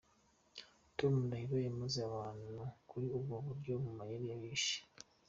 Tom Ndahiro yamaze abantu kuri ubwo buryo, mu mayeri ahishe.